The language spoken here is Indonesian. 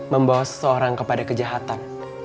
membawa seseorang kepada kejahatan